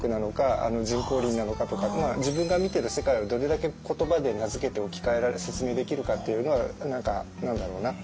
自分が見てる世界をどれだけ言葉で名づけて置き換えられる説明できるかっていうのは何だろうな。